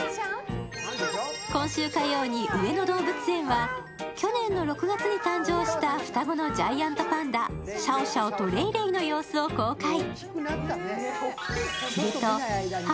今週火曜に上野動物園は去年の６月に誕生した双子のジャイアントパンダ、シャオシャオとレイレイの様子を公開。